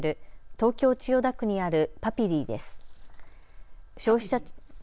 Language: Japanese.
東京千代田区にあるハピリィです。